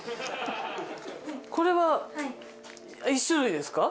これは１種類ですか？